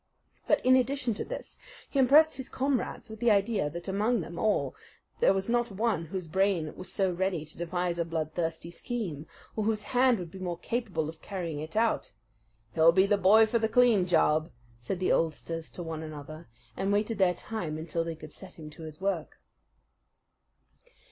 But in addition to this he impressed his comrades with the idea that among them all there was not one whose brain was so ready to devise a bloodthirsty scheme, or whose hand would be more capable of carrying it out. "He'll be the boy for the clean job," said the oldsters to one another, and waited their time until they could set him to his work.